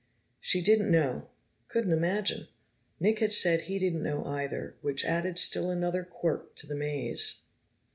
She didn't know, couldn't imagine. Nick had said he didn't know either, which added still another quirk to the maze.